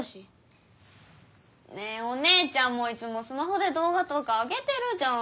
ねえお姉ちゃんもいつもスマホでどう画とかあげてるじゃん。